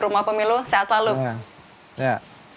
rumah pemilu sehat selalu